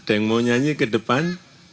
ada yang mau nyanyi ke depan